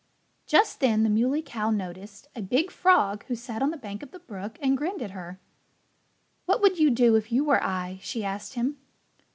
Just then the Muley Cow noticed a big frog who sat on the bank of the brook and grinned at her. "What would you do if you were I?" she asked him.